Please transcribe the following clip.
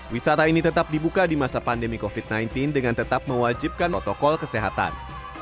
wisata ini tetap dibuka di masa pandemi covid sembilan belas dengan tetap mewajibkan protokol kesehatan